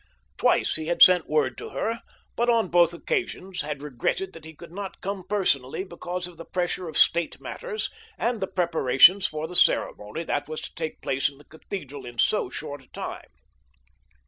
Twice he had sent word to her, but on both occasions had regretted that he could not come personally because of the pressure of state matters and the preparations for the ceremony that was to take place in the cathedral in so short a time.